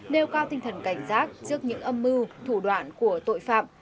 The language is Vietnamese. nêu cao tinh thần cảnh giác trước những âm mưu thủ đoạn của tội phạm